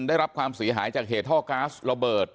ได้รับความเสียหายจากเหตุท่อก๊าซระเบิด